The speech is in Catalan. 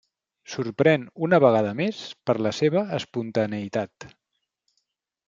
Sorprèn, una vegada més, per la seua espontaneïtat.